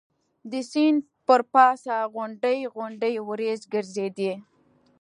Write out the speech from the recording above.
د سیند پر پاسه غونډۍ غونډۍ وریځ ګرځېدې.